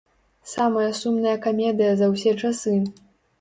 Самая сумная камедыя за ўсе часы!